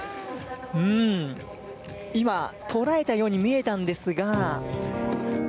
うん今捉えたように見えたんですが。